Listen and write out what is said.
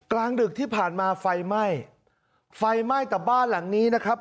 กลางดึกที่ผ่านมาไฟไหม้ไฟไหม้แต่บ้านหลังนี้นะครับ